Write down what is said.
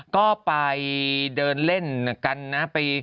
ก็ไปเดินเล่นกันนะ